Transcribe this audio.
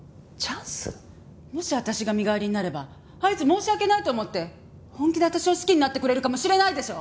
もし私が身代わりになればあいつ申し訳ないと思って本気で私を好きになってくれるかもしれないでしょ！？